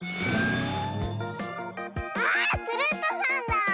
あクルットさんだ！